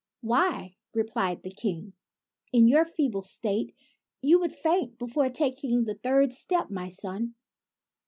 " Why," replied the King, " in your feeble state, you would faint before taking the third step, my son."